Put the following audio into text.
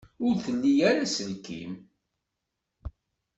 Ur tli ara aselkim.